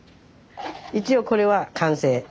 一応これは完成。